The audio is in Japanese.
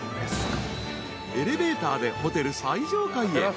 ［エレベーターでホテル最上階へ］